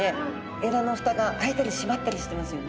えらの蓋が開いたり閉まったりしてますよね。